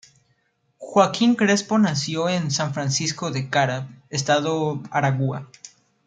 Joaquín Crespo nació en San Francisco de Cara, estado Aragua.